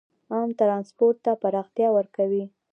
عام ټرانسپورټ ته پراختیا ورکوي.